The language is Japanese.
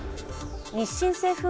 日清製粉